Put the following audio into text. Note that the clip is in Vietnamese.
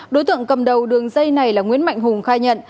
đối tượng cầm đầu đường dây này là nguyễn mạnh hùng khai nhận